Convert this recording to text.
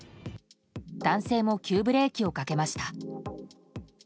男性も急ブレーキをかけました。